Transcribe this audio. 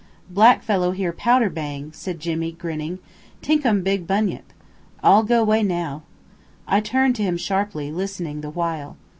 "Black fellow hear powder bang," said Jimmy, grinning. "Tink um big bunyip. All go way now." I turned to him sharply, listening the while.